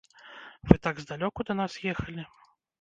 Вы так здалёку да нас ехалі?